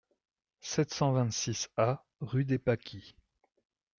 sept cent vingt-six A rue des Pâquis